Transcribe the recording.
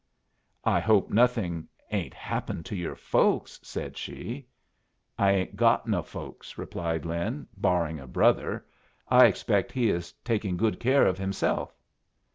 "I hope nothing ain't happened to your folks?" said she. "I ain't got no folks," replied Lin, "barring a brother. I expect he is taking good care of himself."